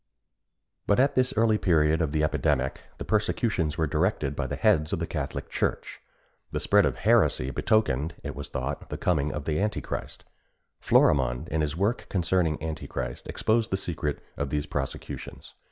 But at this early period of the epidemic the persecutions were directed by the heads of the Catholic Church. The spread of heresy betokened, it was thought, the coming of Antichrist. Florimond, in his work concerning Antichrist, exposed the secret of these prosecutions.